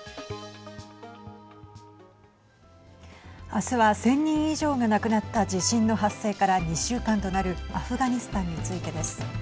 あすは、１０００人以上が亡くなった地震の発生から２週間となるアフガニスタンについてです。